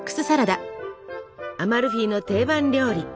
アマルフィの定番料理。